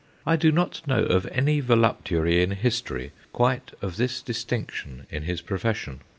I do not know of any voluptuary in history quite of this distinction in his profession.